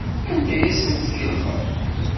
Anda ay asent-tkellxem?